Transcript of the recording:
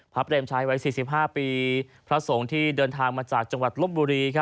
เปรมชัยวัย๔๕ปีพระสงฆ์ที่เดินทางมาจากจังหวัดลบบุรี